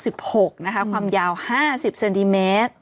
๒๙๖๖บาทนะคะความยาว๕๐เซนติเมตร